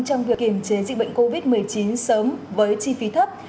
trong việc kiểm chế dịch bệnh covid một mươi chín sớm với chi phí thấp